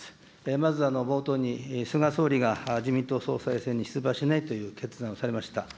まずは冒頭に、菅総理が自民党総裁選に出馬しないという決断をされました。